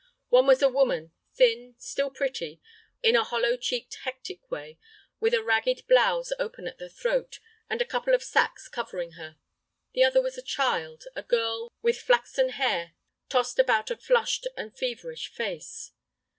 One was a woman, thin, still pretty, in a hollow cheeked, hectic way, with a ragged blouse open at the throat, and a couple of sacks covering her. The other was a child, a girl with flaxen hair tossed about a flushed and feverish face.